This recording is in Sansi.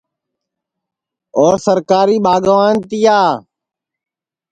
اور سرکاری ٻاگوان تِیا